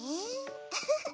ウフフ。